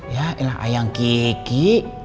yaelah ayang kiki